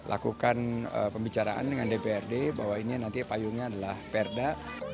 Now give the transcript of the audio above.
lakukan pembicaraan dengan dprd bahwa ini nanti payungnya adalah perda